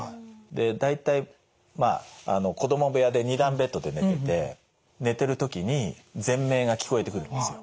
大体まあ子供部屋で２段ベットで寝てて寝てる時にぜん鳴が聞こえてくるんですよ。